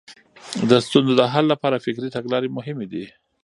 د ستونزو د حل لپاره فکري تګلارې مهمې دي.